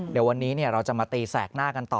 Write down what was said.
เดี๋ยววันนี้เราจะมาตีแสกหน้ากันต่อ